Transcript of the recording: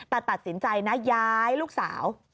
แต่ตัดสินใจนะย้ายลูกสาว